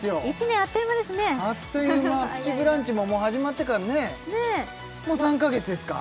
１年あっという間ですねあっという間「プチブランチ」も始まってからもう３カ月ですか？